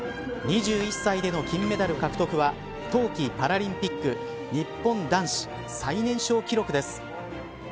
２１歳での金メダル獲得は冬季パラリンピック日本男子最年少記録です。